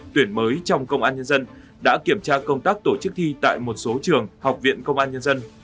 tuyển mới trong công an nhân dân đã kiểm tra công tác tổ chức thi tại một số trường học viện công an nhân dân